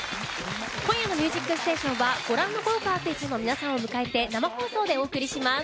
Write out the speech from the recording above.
今夜の「ミュージックステーション」はご覧の豪華アーティストの皆さんを迎えて生放送でお送りします。